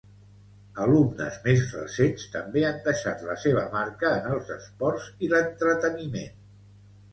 Alumnes més recents també han deixat la seva marca en els esports i l'entreteniment.